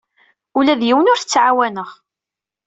Ula d yiwen ur t-ttɛawaneɣ.